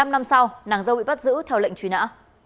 một mươi năm năm sau nàng dâu bị bắt giữ theo lệnh truy nã